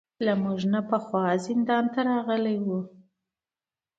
له موږ نه پخوا زندان ته راغلي وو.